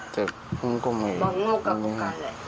เกิดหัวมือกับทุกข์กันเลย